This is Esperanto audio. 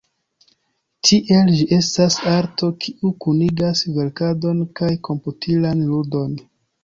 Tiel, ĝi estas arto, kiu kunigas verkadon kaj komputilan ludon.